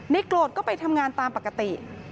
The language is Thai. โกรธก็ไปทำงานตามปกติ